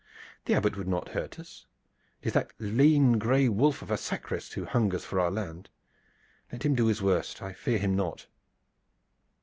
"The Abbot would not hurt us. It is that gray lean wolf of a sacrist who hungers for our land. Let him do his worst. I fear him not."